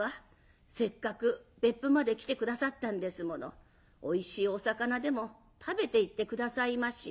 せっかく別府まで来て下さったんですものおいしいお魚でも食べていって下さいまし」。